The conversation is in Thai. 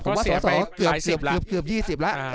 ผมว่าสองเกือบ๒๐ละ